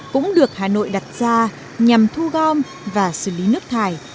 cũng được hà nội đặt ra nhằm thu gom và xử lý nước thải